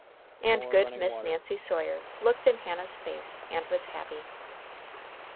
And good Miss Nancy Sawyer looked in Hannah's face and was happy.